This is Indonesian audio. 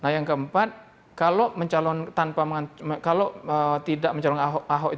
yang keempat kalau tidak mencalonkan ahok